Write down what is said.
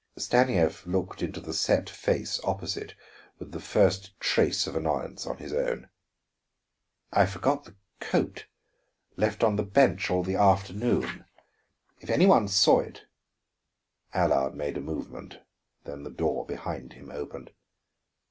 Stanief looked into the set face opposite with the first trace of annoyance on his own. "I forgot the coat, left on the bench all the afternoon. If any one saw it " Allard made a movement, then the door behind him opened.